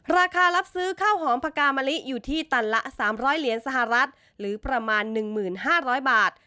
ราคารับซื้อข้าวหอมพกามะลิอยู่ที่ตันละ๓๐๐เหรียญสหรัฐหรือประมาณ๑๕๐๐บาท